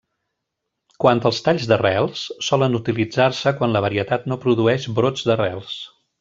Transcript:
Quant als talls d'arrels, solen utilitzar-se quan la varietat no produeix brots d'arrels.